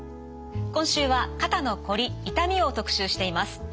今週は「肩のこり・痛み」を特集しています。